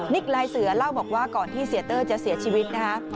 ลายเสือเล่าบอกว่าก่อนที่เสียเต้ยจะเสียชีวิตนะคะ